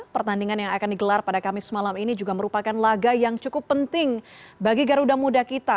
pertandingan yang akan digelar pada kamis malam ini juga merupakan laga yang cukup penting bagi garuda muda kita